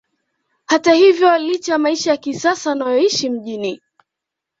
Hata hivyo licha ya maisha ya kisasa wanayoishi mjini